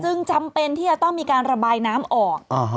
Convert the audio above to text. จำเป็นที่จะต้องมีการระบายน้ำออก